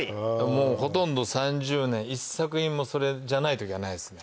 もうほとんど３０年１作品もそれじゃない時はないですね